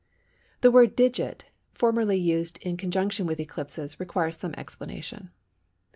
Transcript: The word "Digit," formerly used in connection with eclipses, requires some explanation.